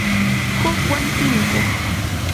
hukwan tinkuq